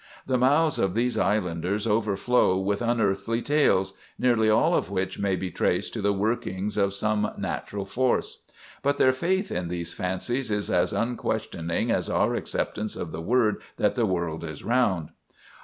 The mouths of these islanders overflow with unearthly tales, nearly all of which may be traced to the workings of some natural force. "But their faith in these fancies is as unquestioning as our acceptance of the word that the world is round.